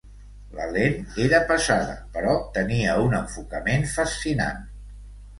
La lent era pesada, però tenia un enfocament fascinant.